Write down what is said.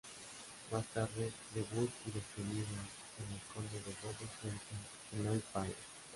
Más tarde, debut y despedida en el Conde de Godó frente a Benoit Paire.